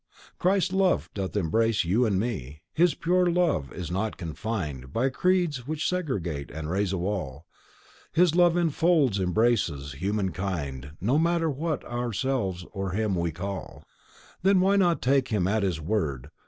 Christ's love doth embrace you and me. His pure sweet love is not confined By creeds which segregate and raise a wall; His love enfolds, embraces Humankind No matter what ourselves or Him we call. Then why not take Him at His word?